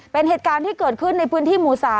เป็นเหตุการณ์ที่เกิดขึ้นในพื้นที่หมู่๓